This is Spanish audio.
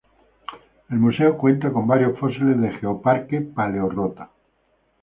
El museo cuenta con varios fósiles de Geoparque Paleorrota.